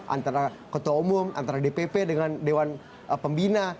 antara ketua umum antara dpp dengan dewan pembina